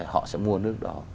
họ sẽ mua nước đó